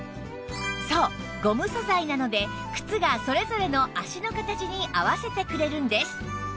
そうゴム素材なので靴がそれぞれの足の形に合わせてくれるんです